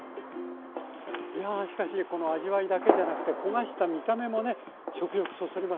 いやしかしこの味わいだけじゃなくて焦がした見た目もね食欲そそりますよね。